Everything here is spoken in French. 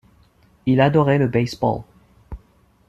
Il adorait le baseball.